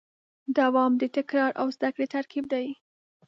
دوام د تکرار او زدهکړې ترکیب دی.